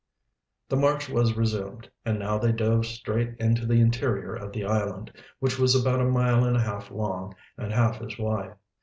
The march was resumed, and now they dove straight into the interior of the island, which was about a mile and a half long and half as wide.